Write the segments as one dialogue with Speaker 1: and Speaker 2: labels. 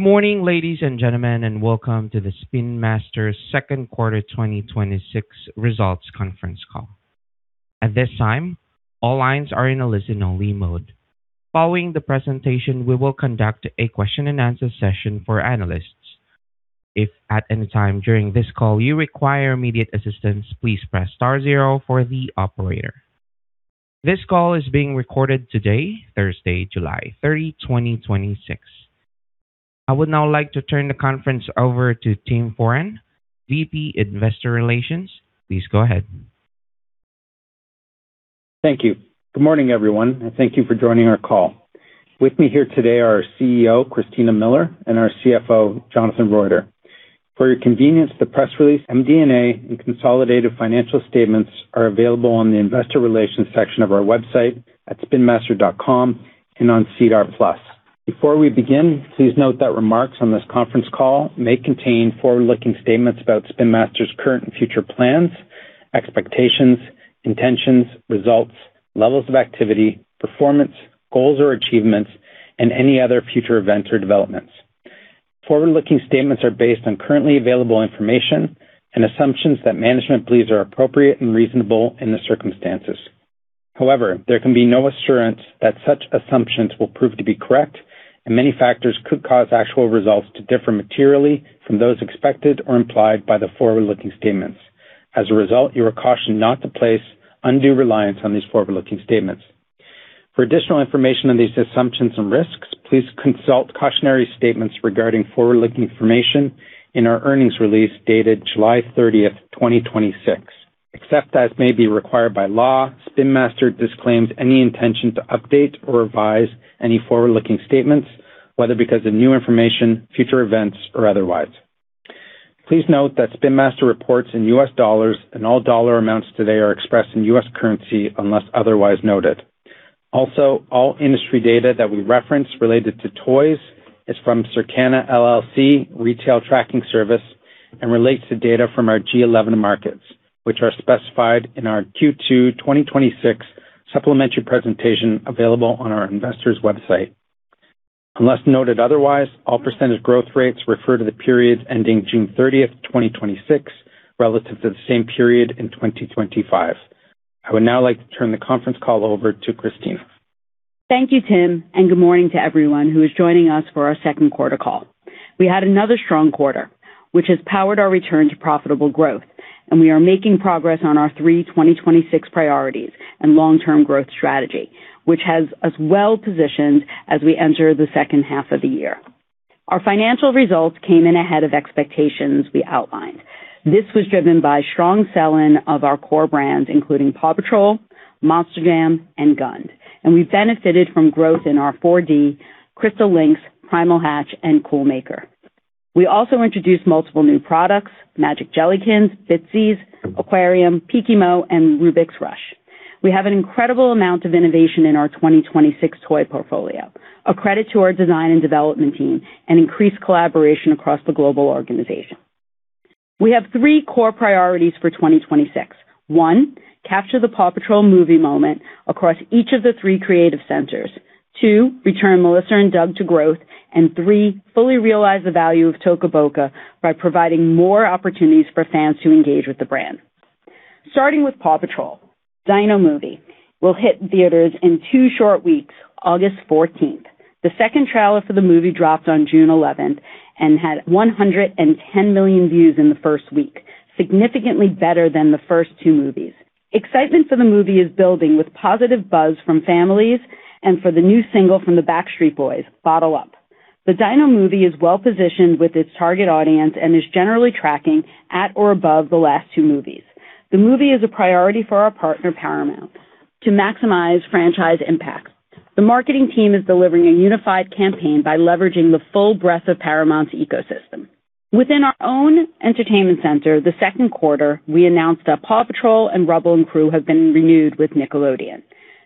Speaker 1: Good morning, ladies and gentlemen, and welcome to the Spin Master second quarter 2026 results conference call. At this time, all lines are in a listen-only mode. Following the presentation, we will conduct a question-and-answer session for analysts. If at any time during this call you require immediate assistance, please press star zero for the operator. This call is being recorded today, Thursday, July 30, 2026. I would now like to turn the conference over to Tim Foran, VP Investor Relations. Please go ahead.
Speaker 2: Thank you. Good morning, everyone, and thank you for joining our call. With me here today are our CEO, Christina Miller, and our CFO, Jonathan Roiter. For your convenience, the press release, MD&A, and consolidated financial statements are available on the Investor Relations section of our website at spinmaster.com and on SEDAR+. Before we begin, please note that remarks on this conference call may contain forward-looking statements about Spin Master's current and future plans, expectations, intentions, results, levels of activity, performance, goals or achievements, and any other future events or developments. Forward-looking statements are based on currently available information and assumptions that management believes are appropriate and reasonable in the circumstances. However, there can be no assurance that such assumptions will prove to be correct, and many factors could cause actual results to differ materially from those expected or implied by the forward-looking statements. As a result, you are cautioned not to place undue reliance on these forward-looking statements. For additional information on these assumptions and risks, please consult cautionary statements regarding forward-looking information in our earnings release dated July 30, 2026. Except as may be required by law, Spin Master disclaims any intention to update or revise any forward-looking statements, whether because of new information, future events, or otherwise. Please note that Spin Master reports in US dollars, and all dollar amounts today are expressed in US currency unless otherwise noted. Also, all industry data that we reference related to toys is from Circana LLC Retail Tracking Service and relates to data from our G11 markets, which are specified in our Q2 2026 supplementary presentation available on our investors' website. Unless noted otherwise, all percentage growth rates refer to the period ending June 30, 2026, relative to the same period in 2025. I would now like to turn the conference call over to Christina.
Speaker 3: Thank you, Tim, and good morning to everyone who is joining us for our second quarter call. We had another strong quarter, which has powered our return to profitable growth, and we are making progress on our three 2026 priorities and long-term growth strategy, which has us well-positioned as we enter the second half of the year. Our financial results came in ahead of expectations we outlined. This was driven by strong selling of our core brands, including PAW Patrol, Monster Jam, and GUND. We benefited from growth in our 4D Crystal Links, Primal Hatch, and Cool Maker. We also introduced multiple new products: Magic Jellykins, Bitzee, aquarium, Pikimo, and Rubik's Rush. We have an incredible amount of innovation in our 2026 toy portfolio, a credit to our design and development team, and increased collaboration across the global organization. We have three core priorities for 2026. One, capture the PAW Patrol movie moment across each of the three creative centers. Two, return Melissa & Doug to growth. Three, fully realize the value of Toca Boca by providing more opportunities for fans to engage with the brand. Starting with PAW Patrol, Dino Movie will hit theaters in two short weeks, August 14th. The second trailer for the movie dropped on June 11th and had 110 million views in the first week, significantly better than the first two movies. Excitement for the movie is building with positive buzz from families and for the new single from the Backstreet Boys, "Bottle Up." The Dino Movie is well-positioned with its target audience and is generally tracking at or above the last two movies. The movie is a priority for our partner, Paramount. To maximize franchise impact, the marketing team is delivering a unified campaign by leveraging the full breadth of Paramount's ecosystem. Within our own entertainment center, in the second quarter, we announced that PAW Patrol and Rubble & Crew have been renewed with Nickelodeon.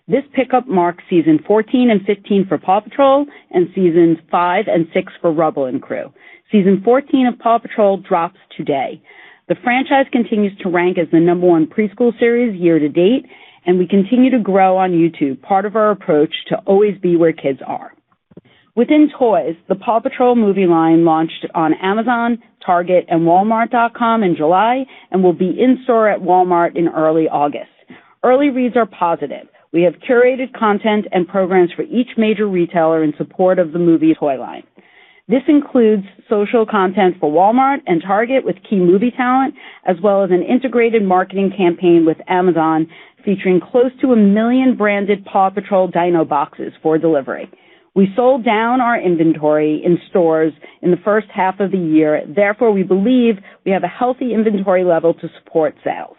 Speaker 3: This pickup marks season 14 and 15 for PAW Patrol and seasons five and six for Rubble & Crew. Season 14 of PAW Patrol drops today. The franchise continues to rank as the number one preschool series year to date, and we continue to grow on YouTube, part of our approach to always be where kids are. Within toys, the PAW Patrol movie line launched on Amazon, Target, and walmart.com in July and will be in store at Walmart in early August. Early reads are positive. We have curated content and programs for each major retailer in support of the movie toy line. This includes social content for Walmart and Target with key movie talent, as well as an integrated marketing campaign with Amazon featuring close to 1 million branded PAW Patrol Dino boxes for delivery. We sold down our inventory in stores in the first half of the year. Therefore, we believe we have a healthy inventory level to support sales.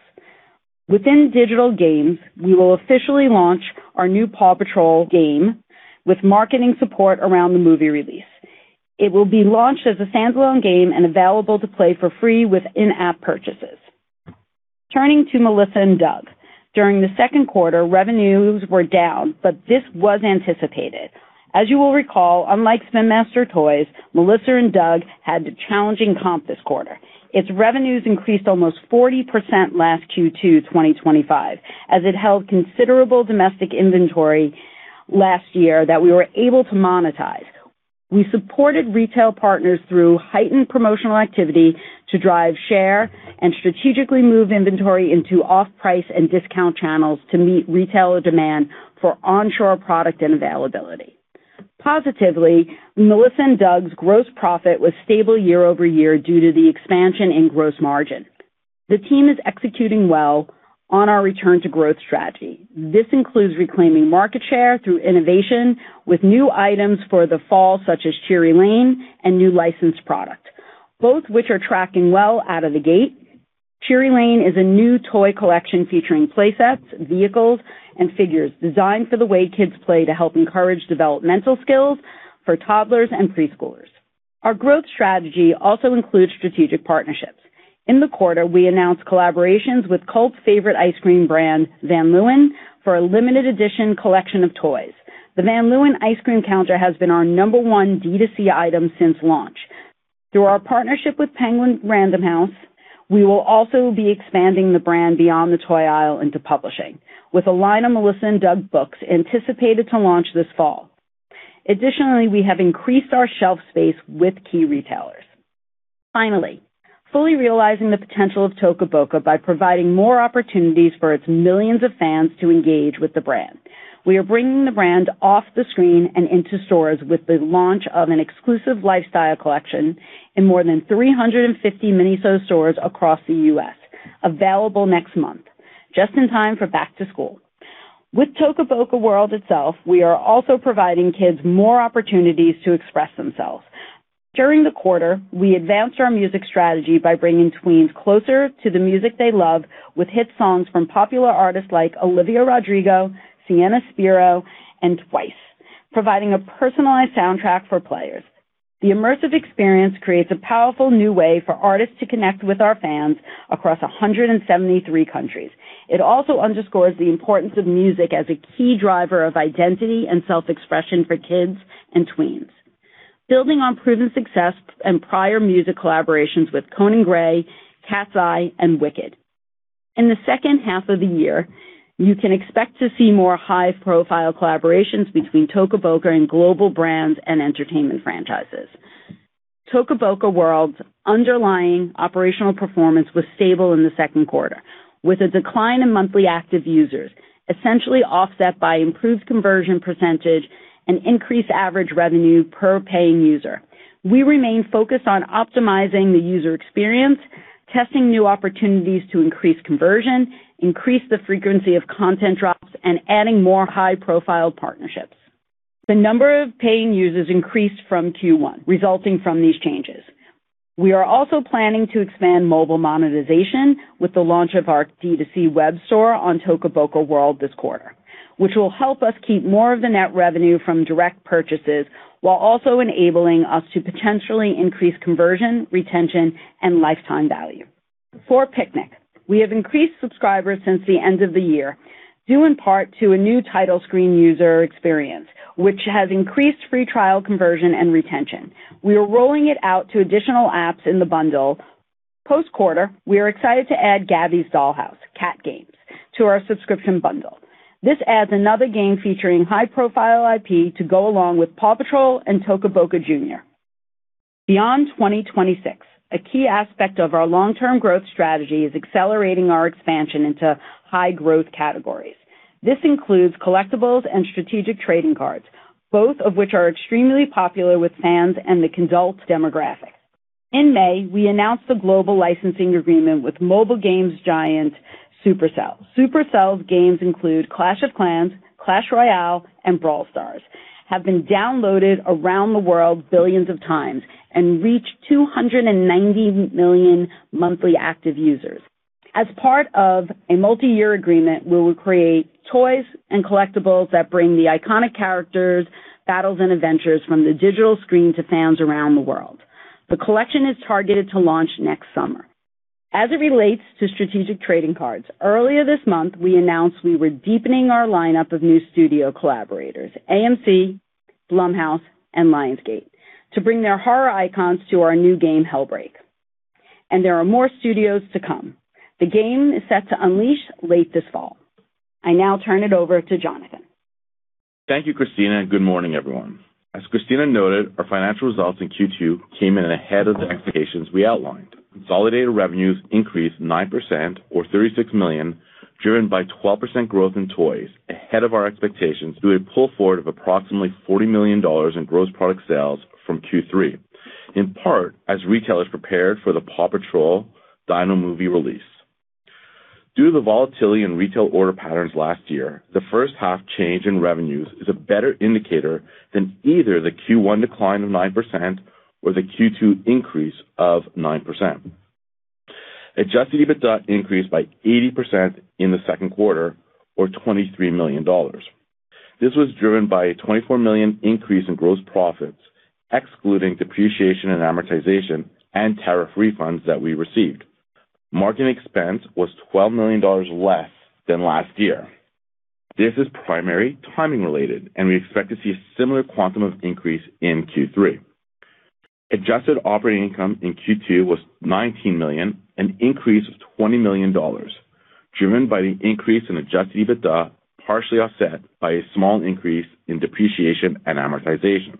Speaker 3: Within digital games, we will officially launch our new PAW Patrol game with marketing support around the movie release. It will be launched as a standalone game and available to play for free with in-app purchases. Turning to Melissa & Doug, during the second quarter, revenues were down, but this was anticipated. As you will recall, unlike Spin Master Toys, Melissa & Doug had a challenging comp this quarter. Its revenues increased almost 40% last Q2 2025, as it held considerable domestic inventory last year that we were able to monetize. We supported retail partners through heightened promotional activity to drive share and strategically move inventory into off-price and discount channels to meet retailer demand for onshore product and availability. Positively, Melissa & Doug's gross profit was stable year-over-year due to the expansion in gross margin. The team is executing well on our return to growth strategy. This includes reclaiming market share through innovation with new items for the fall, such as Cheery Lane and new licensed products, both which are tracking well out of the gate. Cheery Lane is a new toy collection featuring play sets, vehicles, and figures designed for the way kids play to help encourage developmental skills for toddlers and preschoolers. Our growth strategy also includes strategic partnerships. In the quarter, we announced collaborations with cult favorite ice cream brand Van Leeuwen for a limited edition collection of toys. The Van Leeuwen Ice Cream Counter has been our number one D2C item since launch. Through our partnership with Penguin Random House, we will also be expanding the brand beyond the toy aisle into publishing, with a line of Melissa & Doug books anticipated to launch this fall. Additionally, we have increased our shelf space with key retailers. Finally, fully realizing the potential of Toca Boca by providing more opportunities for its millions of fans to engage with the brand. We are bringing the brand off the screen and into stores with the launch of an exclusive lifestyle collection in more than 350 MINISO stores across the U.S., available next month, just in time for back to school. With Toca Boca World itself, we are also providing kids more opportunities to express themselves. During the quarter, we advanced our music strategy by bringing tweens closer to the music they love with hit songs from popular artists like Olivia Rodrigo, Sienna Spiro, and TWICE, providing a personalized soundtrack for players. The immersive experience creates a powerful new way for artists to connect with our fans across 173 countries. It also underscores the importance of music as a key driver of identity and self-expression for kids and tweens. Building on proven success and prior music collaborations with Conan Gray, Cat's Eye, and Wicked. In the second half of the year, you can expect to see more high-profile collaborations between Toca Boca and global brands and entertainment franchises. Toca Boca World's underlying operational performance was stable in the second quarter, with a decline in monthly active users, essentially offset by improved conversion percentage and increased average revenue per paying user. We remain focused on optimizing the user experience, testing new opportunities to increase conversion, increase the frequency of content drops, and adding more high-profile partnerships. The number of paying users increased from Q1, resulting from these changes. We are also planning to expand mobile monetization with the launch of our D2C web store on Toca Boca World this quarter, which will help us keep more of the net revenue from direct purchases while also enabling us to potentially increase conversion, retention, and lifetime value. For Piknik, we have increased subscribers since the end of the year, due in part to a new title screen user experience, which has increased free trial conversion and retention. We are rolling it out to additional apps in the bundle. Post-quarter, we are excited to add Gabby's Dollhouse Cat Games to our subscription bundle. This adds another game featuring high-profile IP to go along with PAW Patrol and Toca Boca Jr. Beyond 2026, a key aspect of our long-term growth strategy is accelerating our expansion into high-growth categories. This includes collectibles and strategic trading cards, both of which are extremely popular with fans and the kidult demographic. In May, we announced a global licensing agreement with mobile games giant Supercell. Supercell's games include Clash of Clans, Clash Royale, and Brawl Stars, have been downloaded around the world billions of times and reach 290 million monthly active users. As part of a multi-year agreement where we create toys and collectibles that bring the iconic characters, battles, and adventures from the digital screen to fans around the world. The collection is targeted to launch next summer. As it relates to strategic trading cards, earlier this month, we announced we were deepening our lineup of new studio collaborators, AMC, Blumhouse, and Lionsgate, to bring their horror icons to our new game, Hellbreak. There are more studios to come. The game is set to unleash late this fall. I now turn it over to Jonathan.
Speaker 4: Thank you, Christina, and good morning, everyone. As Christina noted, our financial results in Q2 came in ahead of the expectations we outlined. Consolidated revenues increased 9% or $36 million, driven by 12% growth in toys ahead of our expectations through a pull forward of approximately $40 million in gross product sales from Q3, in part as retailers prepared for the PAW Patrol: The Dino Movie release. Due to the volatility in retail order patterns last year, the first-half change in revenues is a better indicator than either the Q1 decline of 9% or the Q2 increase of 9%. Adjusted EBITDA increased by 80% in the second quarter, or $23 million. This was driven by a $24 million increase in gross profits excluding depreciation and amortization and tariff refunds that we received. Marketing expense was $12 million less than last year. This is primary timing related, and we expect to see a similar quantum of increase in Q3. Adjusted operating income in Q2 was $19 million, an increase of $20 million, driven by the increase in Adjusted EBITDA, partially offset by a small increase in depreciation and amortization.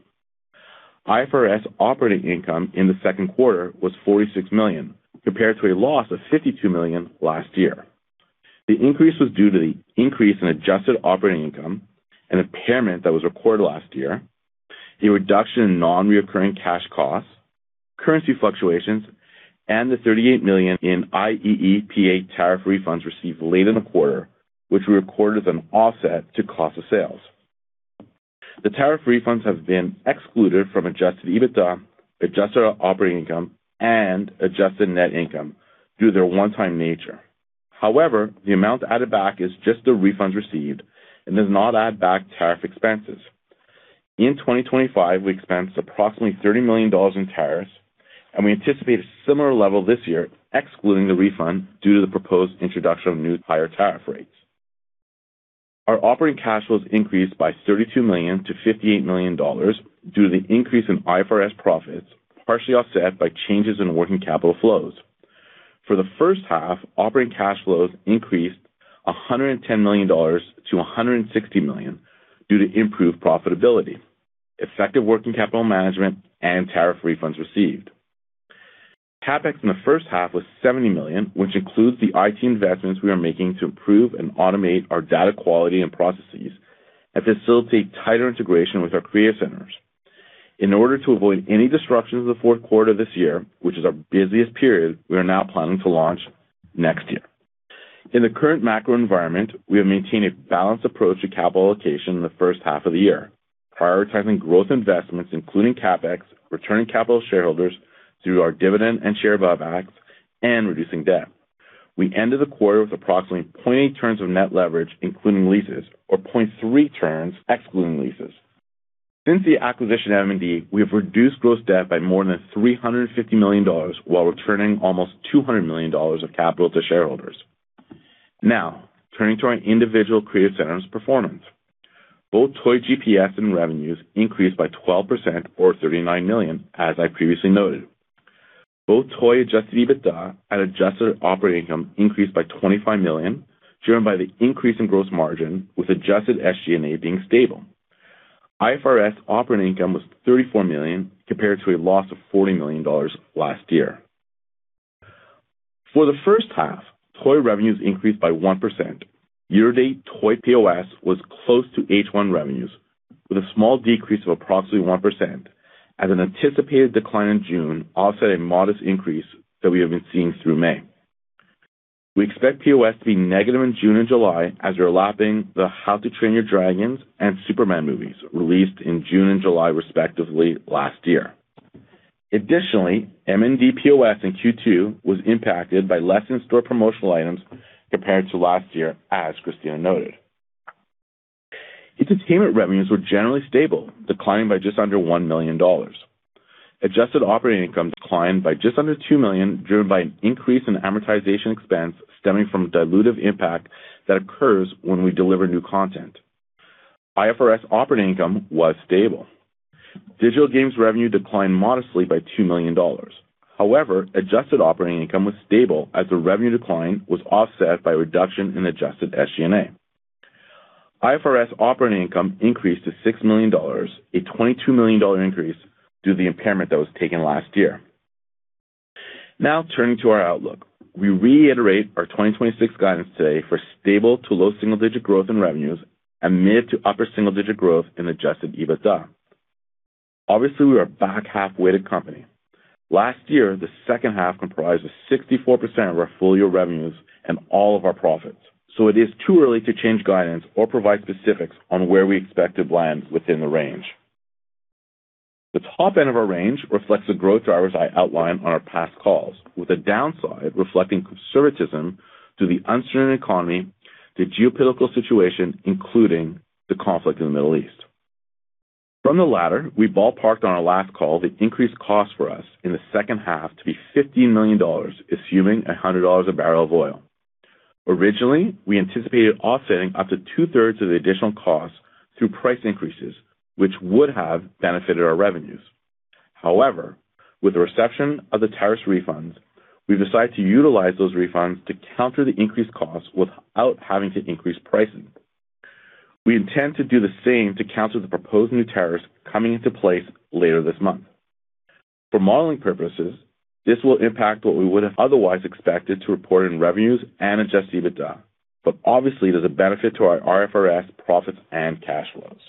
Speaker 4: IFRS operating income in the second quarter was $46 million, compared to a loss of $52 million last year. The increase was due to the increase in adjusted operating income, an impairment that was recorded last year, a reduction in non-reoccurring cash costs, currency fluctuations, and the $38 million in IEEPA tariff refunds received late in the quarter, which we recorded as an offset to cost of sales. The tariff refunds have been excluded from Adjusted EBITDA, adjusted operating income, and adjusted net income due to their one-time nature. However, the amount added back is just the refunds received and does not add back tariff expenses. in 2025, we expensed approximately 30 million dollars in tariffs, and we anticipate a similar level this year, excluding the refund, due to the proposed introduction of new higher tariff rates. Our operating cash flows increased by 32 million to 58 million dollars due to the increase in IFRS profits, partially offset by changes in working capital flows. For the first half, operating cash flows increased 110 million dollars to 160 million due to improved profitability, effective working capital management, and tariff refunds received. CapEx in the first half was 70 million, which includes the IT investments we are making to improve and automate our data quality and processes and facilitate tighter integration with our creative centers. In order to avoid any disruptions in the fourth quarter of this year, which is our busiest period, we are now planning to launch next year. In the current macro environment, we have maintained a balanced approach to capital allocation in the first half of the year, prioritizing growth investments, including CapEx, returning capital to shareholders through our dividend and share buybacks, and reducing debt. We ended the quarter with approximately 0.8 turns of net leverage, including leases, or 0.3 turns excluding leases. Since the acquisition of M&D, we have reduced gross debt by more than 350 million dollars while returning almost 200 million dollars of capital to shareholders. Now, turning to our individual creative centers' performance. Both Toy GPS and revenues increased by 12% or 39 million, as I previously noted. Both Toy Adjusted EBITDA and Adjusted operating income increased by 25 million, driven by the increase in gross margin with Adjusted SG&A being stable. IFRS operating income was 34 million compared to a loss of 40 million dollars last year. For the first half, Toy revenues increased by 1%. Year-to-date Toy POS was close to H1 revenues with a small decrease of approximately 1% as an anticipated decline in June offset a modest increase that we have been seeing through May. We expect POS to be negative in June and July as we are lapping the How to Train Your Dragon and Superman movies released in June and July, respectively, last year. Additionally, M&D POS in Q2 was impacted by less in-store promotional items compared to last year, as Christina noted. Entertainment revenues were generally stable, declining by just under 1 million dollars. Adjusted operating income declined by just under 2 million, driven by an increase in amortization expense stemming from dilutive impact that occurs when we deliver new content. IFRS operating income was stable. Digital Games revenue declined modestly by 2 million dollars. However, Adjusted operating income was stable as the revenue decline was offset by a reduction in Adjusted SG&A. IFRS operating income increased to 6 million dollars, a 22 million dollar increase due to the impairment that was taken last year. Now turning to our outlook. We reiterate our 2026 guidance today for stable to low single-digit growth in revenues and mid to upper single-digit growth in Adjusted EBITDA. Obviously, we are a back half-weighted company. Last year, the second half comprised of 64% of our full-year revenues and all of our profits. It is too early to change guidance or provide specifics on where we expect to land within the range. The top end of our range reflects the growth drivers I outlined on our past calls, with a downside reflecting conservatism to the uncertain economy, the geopolitical situation, including the conflict in the Middle East. From the latter, we ballparked on our last call the increased cost for us in the second half to be $15 million, assuming $100 a barrel of oil. Originally, we anticipated offsetting up to two-thirds of the additional cost through price increases, which would have benefited our revenues. However, with the reception of the tariff refunds, we've decided to utilize those refunds to counter the increased costs without having to increase pricing. We intend to do the same to counter the proposed new tariffs coming into place later this month. For modeling purposes, this will impact what we would have otherwise expected to report in revenues and Adjusted EBITDA. Obviously there's a benefit to our IFRS profits and cash flows.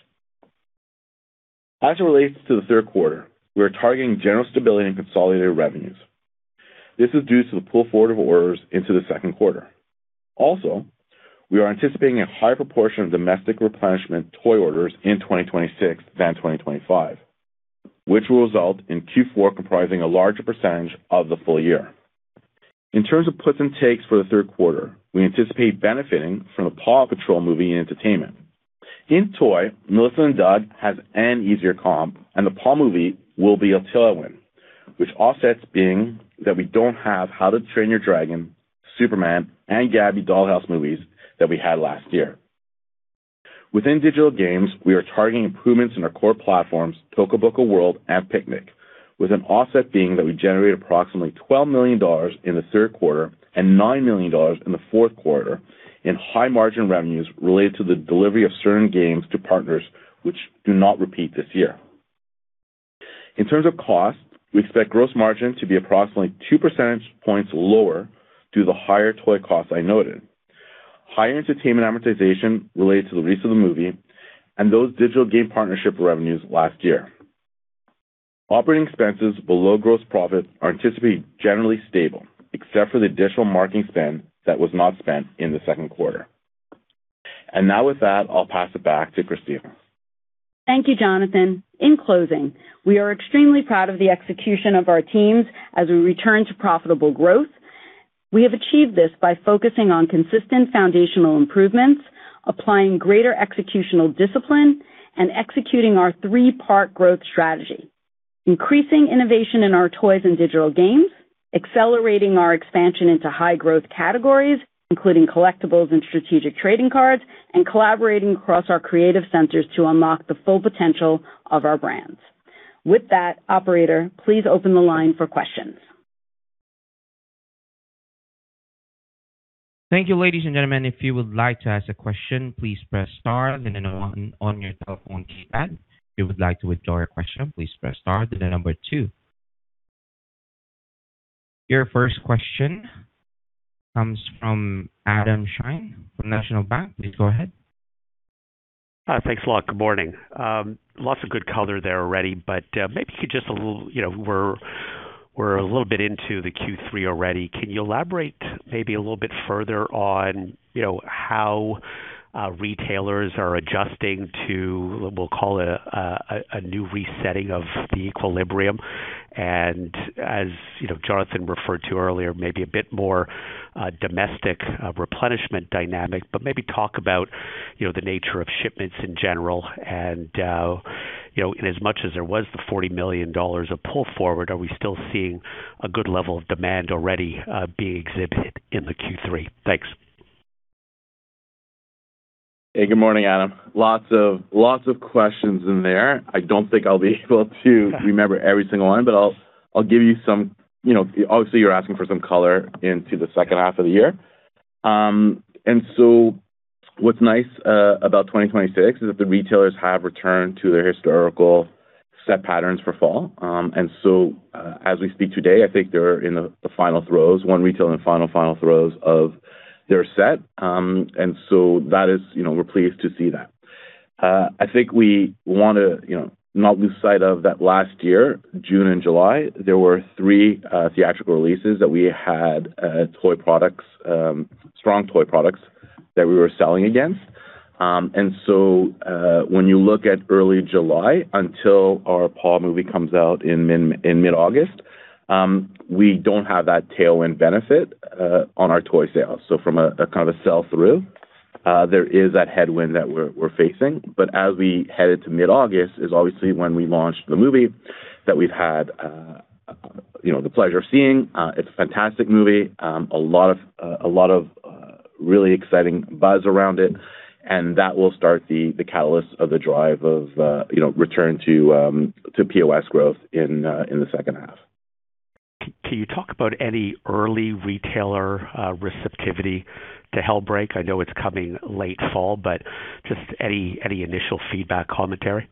Speaker 4: As it relates to the third quarter, we are targeting general stability in consolidated revenues. This is due to the pull forward of orders into the second quarter. Also, we are anticipating a higher proportion of domestic replenishment toy orders in 2026 than 2025, which will result in Q4 comprising a larger percentage of the full year. In terms of puts and takes for the third quarter, we anticipate benefiting from the PAW Patrol movie in entertainment. In toy, Melissa & Doug has an easier comp, and the PAW movie will be a tailwind, which offsets being that we don't have How to Train Your Dragon, Superman, and Gabby's Dollhouse movies that we had last year. Within digital games, we are targeting improvements in our core platforms, Toca Boca World and Piknik, with an offset being that we generate approximately $12 million in the third quarter and $9 million in the fourth quarter in high-margin revenues related to the delivery of certain games to partners, which do not repeat this year. In terms of cost, we expect gross margin to be approximately two percentage points lower due to the higher toy costs I noted, higher entertainment amortization related to the release of the movie, and those digital game partnership revenues last year. Operating expenses below gross profit are anticipated generally stable, except for the digital marketing spend that was not spent in the second quarter. Now with that, I'll pass it back to Christina.
Speaker 3: Thank you, Jonathan. In closing, we are extremely proud of the execution of our teams as we return to profitable growth. We have achieved this by focusing on consistent foundational improvements, applying greater executional discipline, and executing our three-part growth strategy. Increasing innovation in our toys and digital games; accelerating our expansion into high-growth categories, including collectibles and strategic trading cards; and collaborating across our creative centers to unlock the full potential of our brands. Operator, please open the line for questions.
Speaker 1: Thank you, ladies and gentlemen. If you would like to ask a question, please press star, then the number one on your telephone keypad. If you would like to withdraw your question, please press star, then the number two. Your first question comes from Adam Shine from National Bank. Please go ahead.
Speaker 5: Thanks a lot. Good morning. Lots of good color there already; maybe we're a little bit into the Q3 already. Can you elaborate maybe a little bit further on how retailers are adjusting to, we'll call it a new resetting of the equilibrium? As Jonathan referred to earlier, maybe a bit more domestic replenishment dynamic; talk about the nature of shipments in general, and in as much as there was the 40 million dollars of pull-forward, are we still seeing a good level of demand already being exhibited in the Q3? Thanks.
Speaker 4: Hey, good morning, Adam. Lots of questions in there. I don't think I'll be able to remember every single one; I'll give you some. Obviously, you're asking for some color into the second half of the year. What's nice about 2026 is that the retailers have returned to their historical set patterns for fall. As we speak today, I think they're in the final throes, one retailer in the final throes of their set. We're pleased to see that. I think we want to not lose sight of that last year, June and July, there were three theatrical releases that we had toy products, strong toy products, that we were selling against. When you look at early July until our Paw movie comes out in mid-August, we don't have that tailwind benefit on our toy sales. From a kind of a sell-through, there is that headwind that we're facing. As we head into mid-August is obviously when we launch the movie that we've had the pleasure of seeing. It's a fantastic movie. A lot of really exciting buzz around it, that will start the catalyst of the drive of return to POS growth in the second half.
Speaker 5: Can you talk about any early retailer receptivity to Hellbreak? I know it's coming late fall, but just any initial feedback commentary?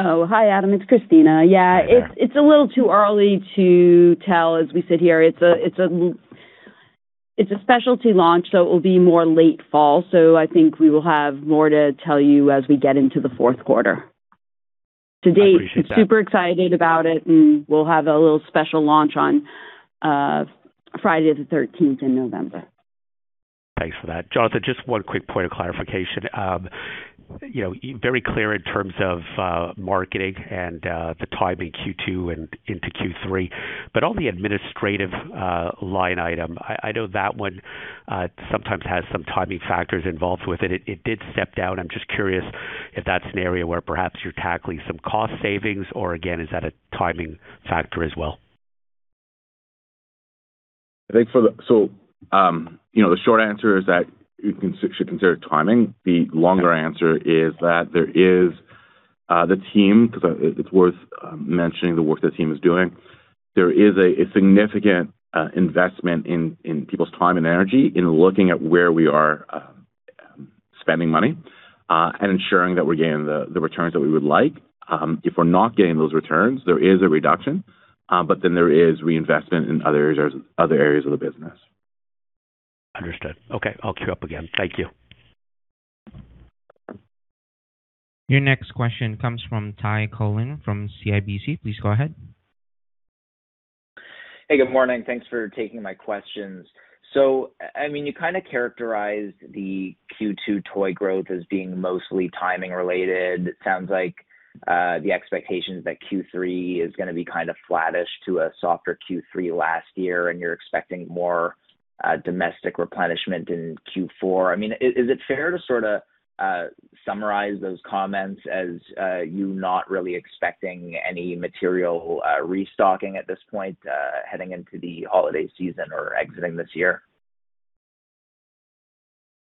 Speaker 3: Oh, hi, Adam. It's Christina. Yeah, it's a little too early to tell as we sit here. It's a specialty launch; it will be more late fall. I think we will have more to tell you as we get into the fourth quarter.
Speaker 5: I appreciate that.
Speaker 3: We are super excited about it; we'll have a little special launch on Friday the 13th in November.
Speaker 5: Thanks for that. Jonathan, just one quick point of clarification. Very clear in terms of marketing and the timing, Q2 and into Q3. On the administrative line item, I know that one sometimes has some timing factors involved with it. It did step down. I'm just curious if that's an area where perhaps you're tackling some cost savings or again, is that a timing factor as well?
Speaker 4: I think the short answer is that you should consider it timing. The longer answer is that there is the team, because it's worth mentioning the work the team is doing. There is a significant investment in people's time and energy in looking at where we are spending money and ensuring that we're getting the returns that we would like. If we're not getting those returns, there is a reduction. There is reinvestment in other areas of the business.
Speaker 5: Understood. Okay, I'll queue up again. Thank you.
Speaker 1: Your next question comes from Ty Colon from CIBC. Please go ahead.
Speaker 6: Hey, good morning. Thanks for taking my questions. You kind of characterized the Q2 toy growth as being mostly timing-related. It sounds like the expectation is that Q3 is going to be kind of flattish to a softer Q3 last year, and you're expecting more domestic replenishment in Q4. Is it fair to sort of summarize those comments as you not really expecting any material restocking at this point heading into the holiday season or exiting this year?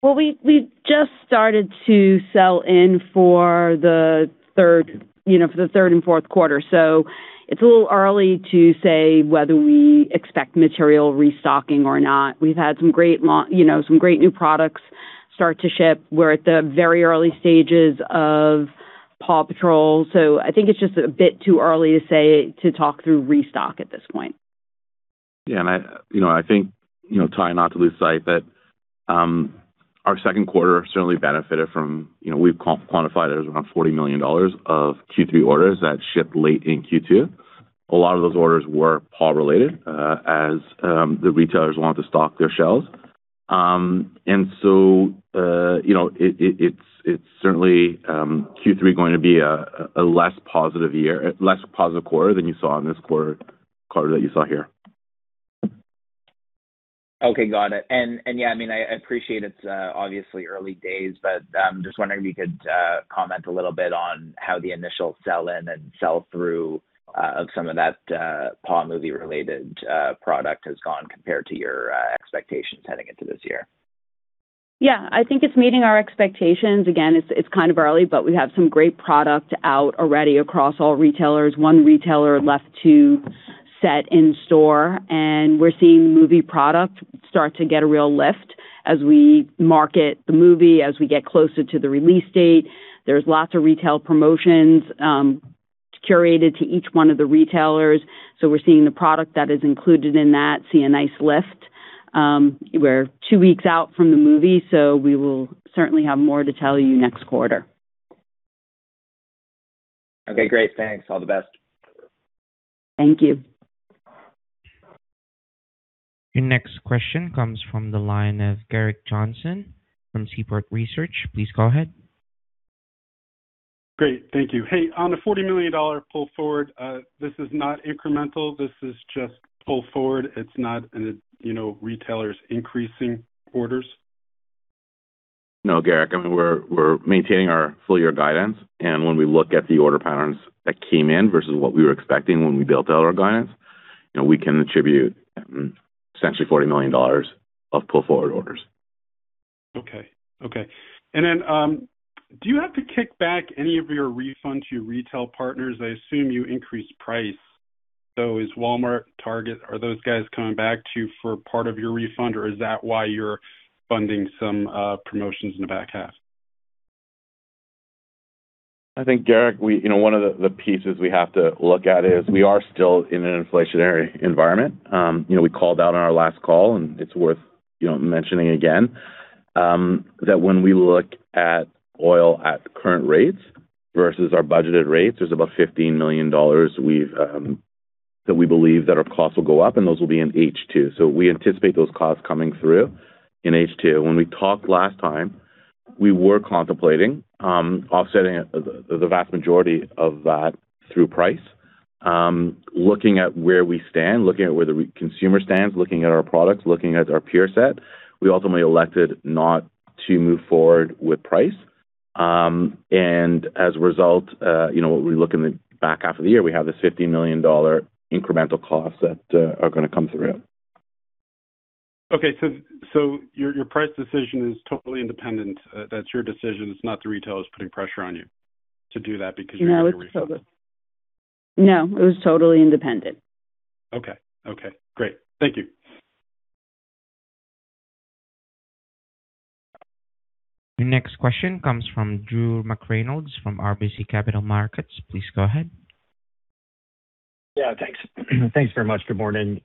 Speaker 3: We just started to sell in for the third and fourth quarters; it's a little early to say whether we expect material restocking or not. We've had some great new products start to ship. We're at the very early stages of PAW Patrol, I think it's just a bit too early to say to talk through restock at this point.
Speaker 4: I think, trying not to lose sight, that our second quarter certainly benefited from We've quantified it as around 40 million dollars of Q3 orders that shipped late in Q2. A lot of those orders were PAW-related, as the retailers wanted to stock their shelves. It's certainly, Q3, going to be a less positive quarter than you saw in this quarter that you saw here.
Speaker 6: Got it. I appreciate it's obviously early days, but I'm just wondering if you could comment a little bit on how the initial sell-in and sell-through of some of that PAW movie-related product has gone compared to your expectations heading into this year.
Speaker 3: Yeah, I think it's meeting our expectations. It's kind of early; we have some great products out already across all retailers. One retailer left to set in store, we're seeing movie product start to get a real lift as we market the movie as we get closer to the release date. There's lots of retail promotions curated to each one of the retailers. We're seeing the product that is included in that see a nice lift. We're two weeks out from the movie; we will certainly have more to tell you next quarter.
Speaker 6: Okay, great. Thanks. All the best.
Speaker 3: Thank you.
Speaker 1: Your next question comes from the line of Gerrick Johnson from Seaport Research. Please go ahead.
Speaker 7: Great. Thank you. On the 40 million dollar pull forward, this is not incremental; this is just pull forward. It is not retailers increasing orders?
Speaker 4: No, Gerrick, we are maintaining our full-year guidance, and when we look at the order patterns that came in versus what we were expecting when we built out our guidance, we can attribute essentially 40 million dollars of pull-forward orders.
Speaker 7: Okay. Then, do you have to kick back any of your refunds to your retail partners? I assume you increased price. Is Walmart, Target, are those guys coming back to you for part of your refund, or is that why you are funding some promotions in the back half?
Speaker 4: I think, Gerrick, one of the pieces we have to look at is we are still in an inflationary environment. We called out on our last call, and it is worth mentioning again that when we look at oil at current rates versus our budgeted rates, there is about 15 million dollars that we believe that our costs will go up, and those will be in H2. We anticipate those costs coming through in H2. When we talked last time, we were contemplating offsetting the vast majority of that through price. Looking at where we stand, looking at where the consumer stands, looking at our products, looking at our peer set, we ultimately elected not to move forward with price. As a result, when we look in the back half of the year, we have this 15 million dollar incremental cost that are going to come through.
Speaker 7: Okay, your price decision is totally independent. That's your decision. It's not the retailers putting pressure on you to do that because you have a refund.
Speaker 3: No, it was totally independent.
Speaker 7: Okay. Great. Thank you.
Speaker 1: Your next question comes from Drew McReynolds from RBC Capital Markets. Please go ahead.
Speaker 8: Yeah, thanks. Thanks very much. Good morning.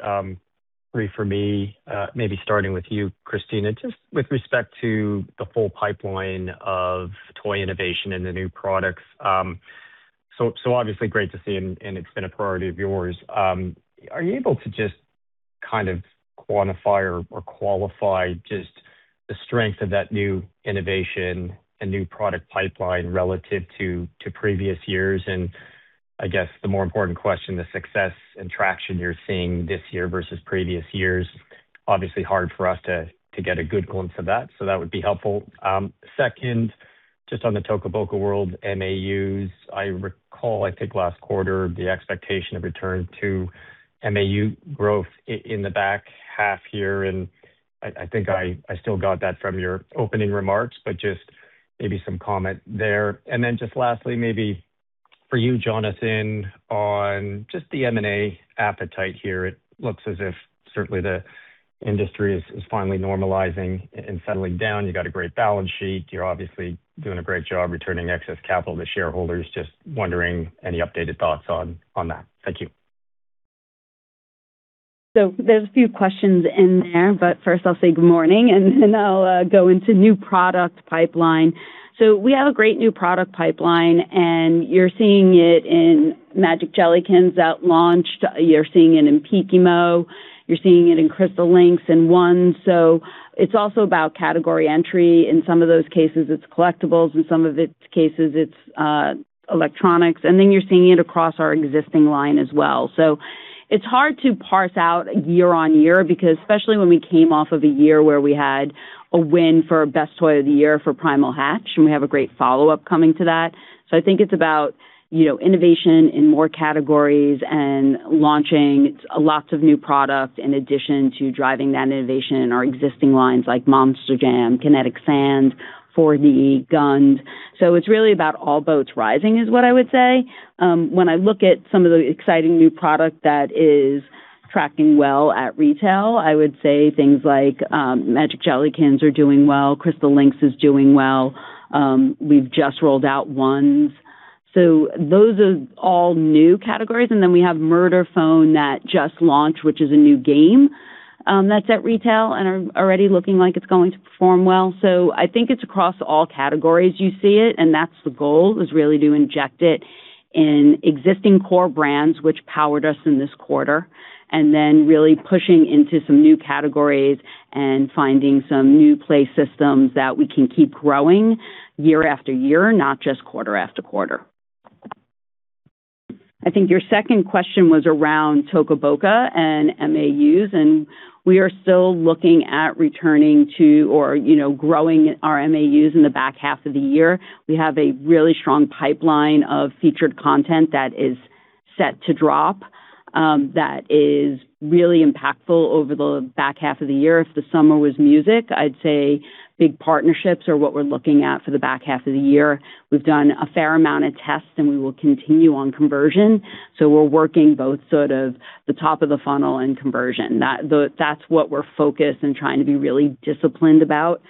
Speaker 8: Three for me, maybe starting with you, Christina. With respect to the full pipeline of toy innovation and the new products. Obviously, great to see, and it's been a priority of yours. Are you able to just kind of quantify or qualify just the strength of that new innovation and new product pipeline relative to previous years? I guess the more important question, the success and traction you're seeing this year versus previous years, obviously hard for us to get a good glimpse of that. That would be helpful. Second, just on the Toca Boca World MAUs, I recall, I think, last quarter, the expectation of return to MAU growth in the back half here, and I think I still got that from your opening remarks; just maybe some comment there. Lastly, maybe for you, Jonathan, on just the M&A appetite here, it looks as if certainly the industry is finally normalizing and settling down. You got a great balance sheet. You're obviously doing a great job returning excess capital to shareholders. Wondering any updated thoughts on that. Thank you.
Speaker 3: There's a few questions in there, but first I'll say good morning, and then I'll go into new product pipeline. We have a great new product pipeline, and you're seeing it in Magic Jellykins that launched. You're seeing it in Pikimo; you're seeing it in Crystal Links and ONE. It's also about category entry. In some of those cases, it's collectibles; in some of the cases, it's electronics. You're seeing it across our existing line as well. It's hard to parse out year-on-year, because especially when we came off of a year where we had a win for best toy of the year for Primal Hatch, and we have a great follow-up coming to that. I think it's about innovation in more categories and launching lots of new products in addition to driving that innovation in our existing lines like Monster Jam, Kinetic Sand, GUND. It's really about all boats rising, is what I would say. When I look at some of the exciting new product that is tracking well at retail, I would say things like Magic Jellykins are doing well, Crystal Links is doing well. We've just rolled out ONE. Those are all new categories; we have Murder Phone that just launched, which is a new game that's at retail and are already looking like it's going to perform well. I think it's across all categories you see it, and that's the goal, is really to inject it in existing core brands which powered us in this quarter and then really pushing into some new categories and finding some new play systems that we can keep growing year after year, not just quarter after quarter. I think your second question was around Toca Boca and MAUs. We are still looking at returning to, or growing our MAUs in the back half of the year. We have a really strong pipeline of featured content that is set to drop that is really impactful over the back half of the year. If the summer was music, I'd say big partnerships are what we're looking at for the back half of the year. We've done a fair amount of tests. We will continue on conversion. We're working both, sort of the top of the funnel and conversion. That's what we're focused and trying to be really disciplined about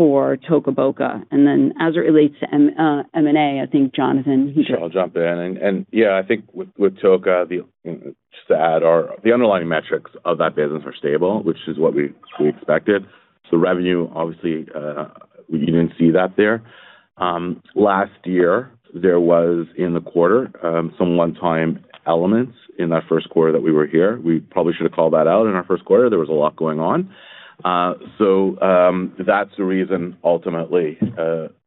Speaker 3: for Toca Boca. As it relates to M&A, I think Jonathan just—
Speaker 4: Sure. I'll jump in. I think with Toca, just to add, the underlying metrics of that business are stable, which is what we expected. Revenue, obviously, you didn't see that there. Last year, there was in the quarter, some one-time elements in that first quarter that we were here. We probably should have called that out in our first quarter. There was a lot going on. That's the reason ultimately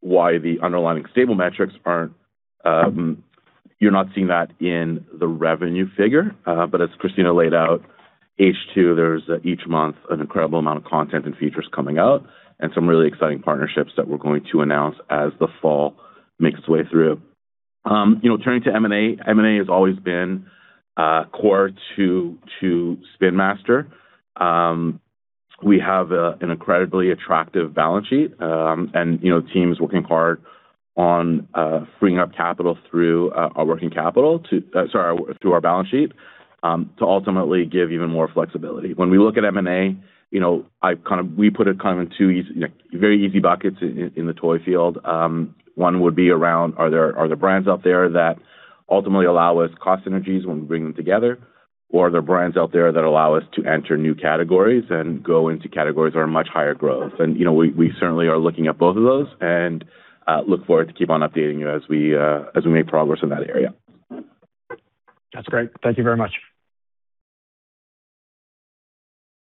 Speaker 4: why the underlying stable metrics; you're not seeing that in the revenue figure. As Christina laid out, H2, there's, each month, an incredible amount of content and features coming out and some really exciting partnerships that we're going to announce as the fall makes its way through. Turning to M&A, M&A has always been core to Spin Master. We have an incredibly attractive balance sheet. The team is working hard on freeing up capital through our working capital to—sorry, through our balance sheet—to ultimately give even more flexibility. When we look at M&A, we put it kind of in two very easy buckets in the toy field. One would be around, are there brands out there that ultimately allow us cost synergies when we bring them together? Are there brands out there that allow us to enter new categories and go into categories that are much higher growth? We certainly are looking at both of those and look forward to keep on updating you as we make progress in that area.
Speaker 8: That's great. Thank you very much.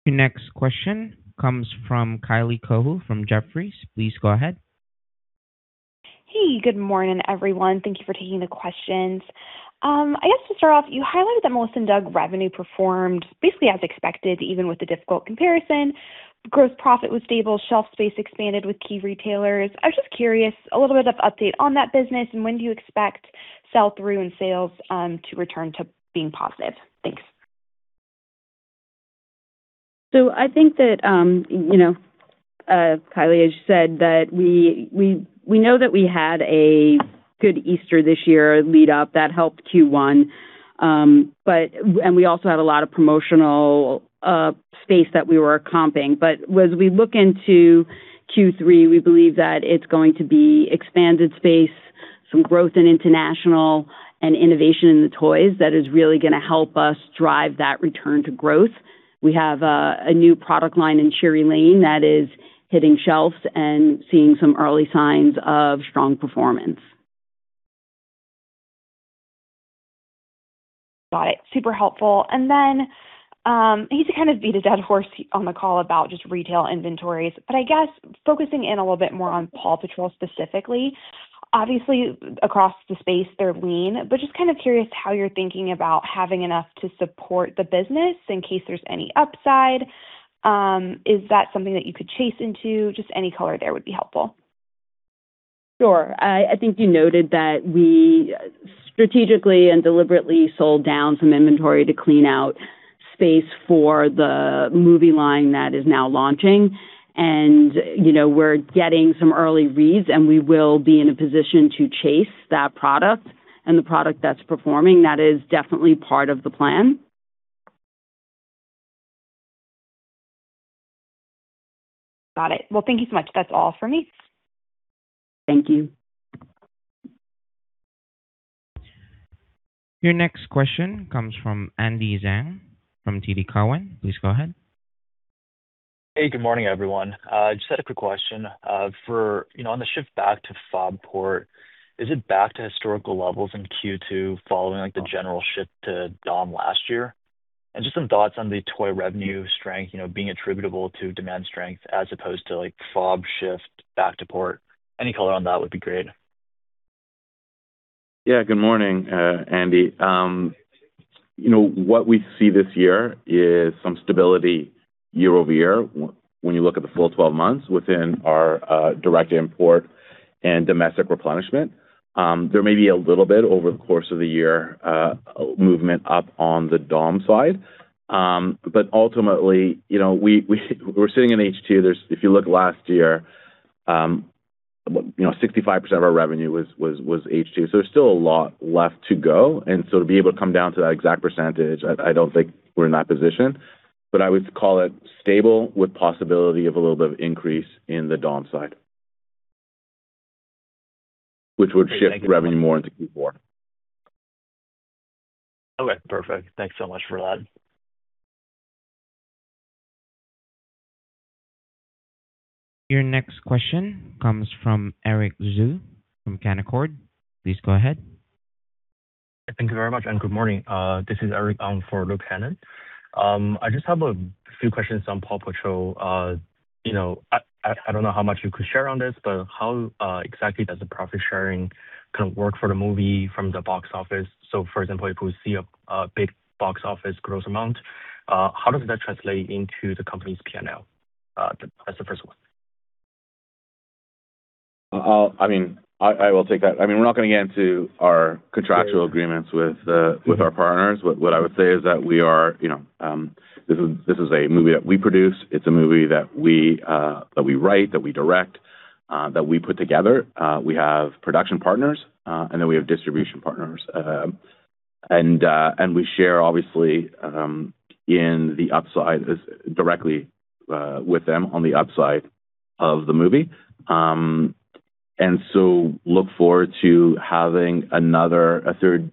Speaker 1: Your next question comes from Kylie Cohu from Jefferies. Please go ahead.
Speaker 9: Hey, good morning, everyone. Thank you for taking the questions. I guess to start off, you highlighted that Melissa & Doug revenue performed basically as expected, even with the difficult comparison. Gross profit was stable; shelf space expanded with key retailers. I was just curious, a little bit of update on that business, and when do you expect sell-through and sales to return to being positive? Thanks.
Speaker 3: I think that, Kylie, as you said, that we know that we had a good Easter this year lead up that helped Q1. We also had a lot of promotional space that we were comping. As we look into Q3, we believe that it's going to be expanded space, some growth in international, and innovation in the toys that is really going to help us drive that return to growth. We have a new product line in Cheery Lane that is hitting shelves and seeing some early signs of strong performance.
Speaker 9: Got it. Super helpful. I hate to kind of beat a dead horse on the call about just retail inventories, but I guess focusing in a little bit more on PAW Patrol specifically. Obviously, across the space, they're lean, but just kind of curious how you're thinking about having enough to support the business in case there's any upside. Is that something that you could chase into? Just any color there would be helpful.
Speaker 3: Sure. I think you noted that we strategically and deliberately sold down some inventory to clean out space for the movie line that is now launching. We're getting some early reads; we will be in a position to chase that product and the product that's performing. That is definitely part of the plan.
Speaker 9: Got it. Well, thank you so much. That's all for me.
Speaker 3: Thank you.
Speaker 1: Your next question comes from Andy Zhang from TD Cowen. Please go ahead.
Speaker 10: Hey, good morning, everyone. Just had a quick question. On the shift back to FOB port, is it back to historical levels in Q2 following the general shift to DOM last year? Just some thoughts on the toy revenue strength being attributable to demand strength as opposed to FOB shift back to port. Any color on that would be great.
Speaker 4: Yeah. Good morning, Andy. What we see this year is some stability year-over-year when you look at the full 12 months within our direct import and domestic replenishment. There may be a little bit, over the course of the year, movement up on the DOM side. Ultimately, we're sitting in H2. If you look last year, 65% of our revenue was H2. There's still a lot left to go. To be able to come down to that exact percentage, I don't think we're in that position. I would call it stable with possibility of a little bit of increase in the DOM side, which would shift revenue more into Q4.
Speaker 10: Okay, perfect. Thanks so much for that.
Speaker 1: Your next question comes from Eric Zhu from Canaccord. Please go ahead.
Speaker 11: Thank you very much. Good morning. This is Eric on for Luke Hannan. I just have a few questions on PAW Patrol. I don't know how much you could share on this, but how exactly does the profit sharing kind of work for the movie from the box office? For example, if we see a big box office gross amount, how does that translate into the company's P&L? That's the first one.
Speaker 4: I will take that. We're not going to get into our contractual agreements with our partners. What I would say is that this is a movie that we produce. It's a movie that we write, that we direct, that we put together. We have production partners, then we have distribution partners. We share, obviously, directly with them on the upside of the movie. Look forward to having a third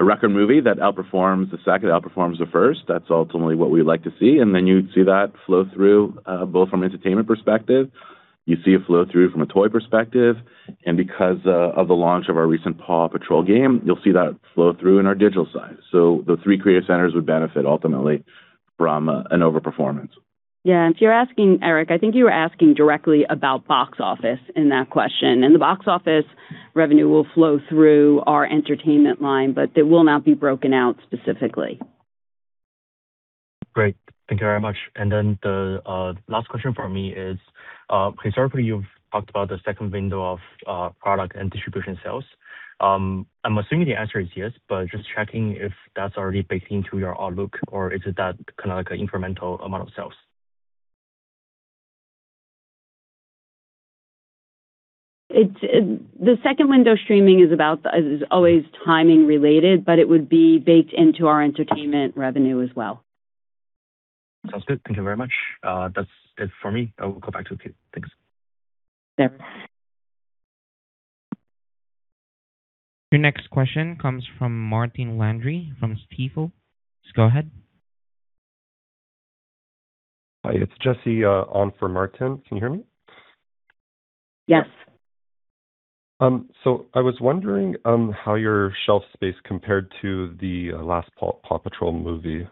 Speaker 4: record movie that outperforms the second, outperforms the first. That's ultimately what we'd like to see. Then you'd see that flow through both from entertainment perspective; you see it flow through from a toy perspective. Because of the launch of our recent PAW Patrol game, you'll see that flow through in our digital side. The three creative centers would benefit ultimately from an over-performance.
Speaker 3: Yeah. Eric, I think you were asking directly about box office in that question. The box office revenue will flow through our entertainment line, it will not be broken out specifically.
Speaker 11: Great. Thank you very much. The last question from me is, historically, you've talked about the second window of product and distribution sales. I'm assuming the answer is yes, but just checking if that's already baked into your outlook or is it that kind of like an incremental amount of sales?
Speaker 3: The second window streaming is always timing-related, but it would be baked into our entertainment revenue as well.
Speaker 11: Sounds good. Thank you very much. That's it for me. I will go back to the queue. Thanks.
Speaker 3: Yeah.
Speaker 1: Your next question comes from Martin Landry from Stifel. Please go ahead.
Speaker 12: Hi. It's Jesse on for Martin. Can you hear me?
Speaker 3: Yes.
Speaker 12: I was wondering how your shelf space compared to the last PAW Patrol movie,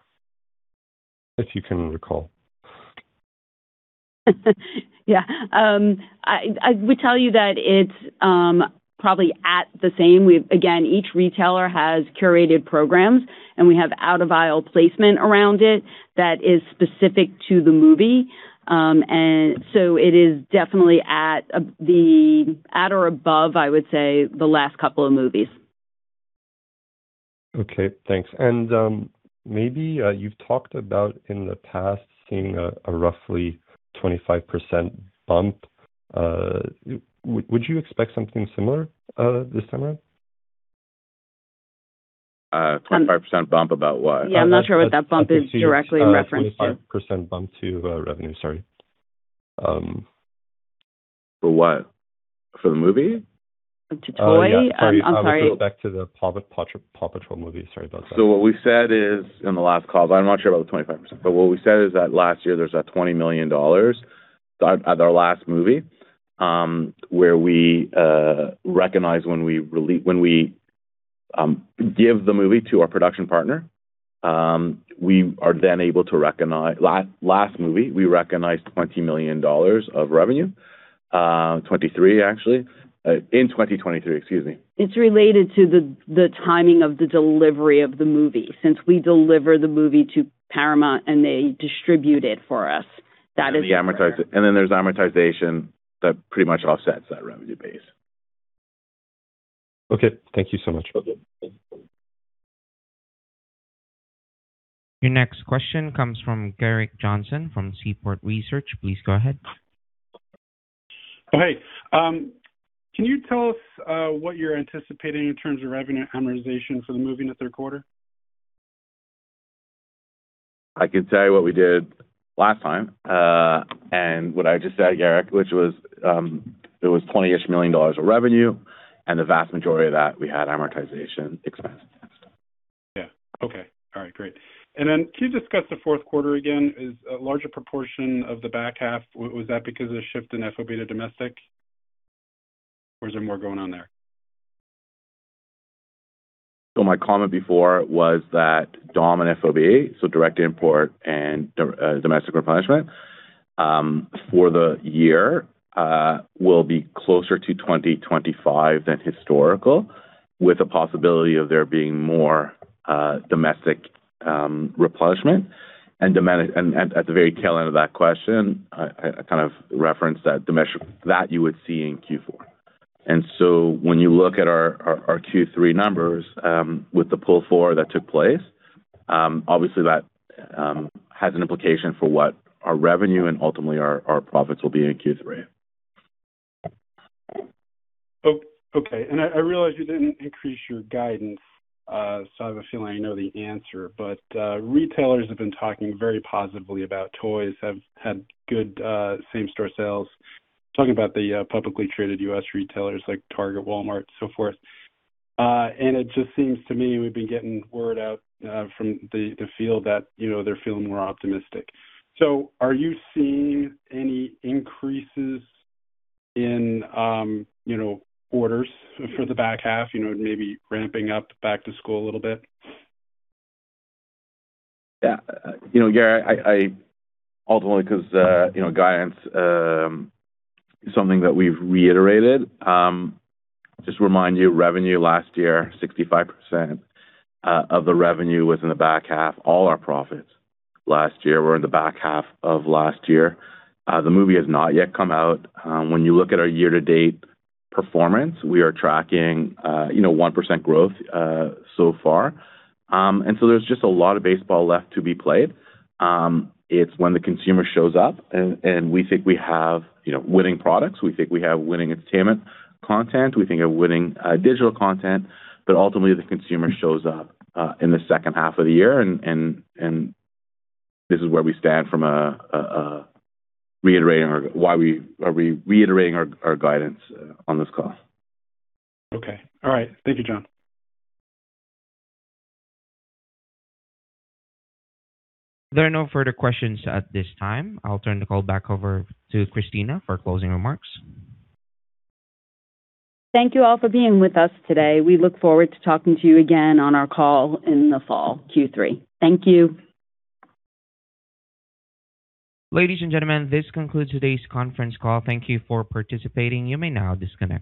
Speaker 12: if you can recall.
Speaker 3: Yeah. I would tell you that it's probably at the same. Again, each retailer has curated programs, and we have out-of-aisle placement around it that is specific to the movie. It is definitely at or above, I would say, the last couple of movies.
Speaker 12: Okay, thanks. Maybe you've talked about, in the past, seeing a roughly 25% bump. Would you expect something similar this time around?
Speaker 4: A 25% bump about what?
Speaker 3: Yeah, I'm not sure what that bump is directly in reference to.
Speaker 12: A 25% bump to revenue. Sorry.
Speaker 4: For what? For the movie?
Speaker 3: To toy? I'm sorry.
Speaker 12: Yeah. Sorry. It goes back to the PAW Patrol movie. Sorry about that.
Speaker 4: What we said is in the last call, but I'm not sure about the 25%, but what we said is that last year there's that 20 million dollars at our last movie, where we recognize when we give the movie to our production partner, last movie, we recognized 20 million dollars of revenue. 23 actually. In 2023, excuse me.
Speaker 3: It's related to the timing of the delivery of the movie. Since we deliver the movie to Paramount and they distribute it for us, that is where-
Speaker 4: There's amortization that pretty much offsets that revenue base.
Speaker 12: Okay. Thank you so much.
Speaker 1: Your next question comes from Gerrick Johnson from Seaport Research. Please go ahead.
Speaker 7: Oh, hey. Can you tell us what you're anticipating in terms of revenue amortization for the movie in the third quarter?
Speaker 4: I can tell you what we did last time and what I just said, Gerrick, which it was 20-ish million dollars of revenue, and the vast majority of that we had amortization expense.
Speaker 7: Yeah. Okay. All right, great. Can you discuss the fourth quarter again? Is a larger proportion of the back half, was that because of the shift in FOB to domestic, or is there more going on there?
Speaker 4: My comment before was that DOM and FOB, so direct import and domestic replenishment, for the year will be closer to 2025 than historical, with the possibility of there being more domestic replenishment. At the very tail end of that question, I kind of referenced that you would see that in Q4. When you look at our Q3 numbers with the pull-forward that took place, obviously that has an implication for what our revenue and ultimately our profits will be in Q3.
Speaker 7: Okay. I realize you didn't increase your guidance, so I have a feeling I know the answer, but retailers have been talking very positively about toys, have had good same-store sales. Talking about the publicly traded U.S. retailers like Target, Walmart, so forth. It just seems to me we've been getting word out from the field that they're feeling more optimistic. Are you seeing any increases in orders for the back half, maybe ramping up back to school a little bit?
Speaker 4: Yeah. Gerrick, ultimately because guidance is something that we've reiterated. Just remind you, revenue last year, 65% of the revenue, was in the back half. All our profits last year were in the back half of last year. The movie has not yet come out. When you look at our year-to-date performance, we are tracking 1% growth so far. There's just a lot of baseball left to be played. It's when the consumer shows up and we think we have winning products, we think we have winning entertainment content, we think a winning digital content. Ultimately, the consumer shows up in the second half of the year, and this is where we stand from reiterating our guidance on this call.
Speaker 7: Okay. All right. Thank you, John.
Speaker 1: There are no further questions at this time. I'll turn the call back over to Christina Miller for closing remarks.
Speaker 3: Thank you all for being with us today. We look forward to talking to you again on our call in the fall, Q3. Thank you.
Speaker 1: Ladies and gentlemen, this concludes today's conference call. Thank you for participating. You may now disconnect.